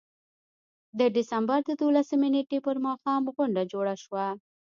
د ډسمبر د دولسمې نېټې پر ماښام غونډه جوړه شوه.